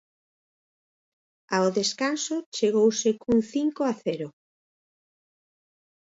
Ao descanso chegouse cun cinco a cero.